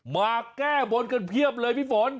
มาแก้บนกันเพียบเลยพี่ฝน